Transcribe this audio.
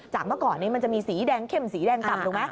เมื่อก่อนนี้มันจะมีสีแดงเข้มสีแดงต่ำถูกไหม